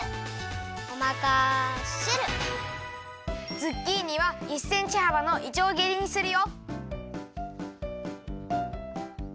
ズッキーニは１センチはばのいちょうぎりにするよ。